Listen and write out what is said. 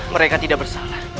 mereka tidak bersalah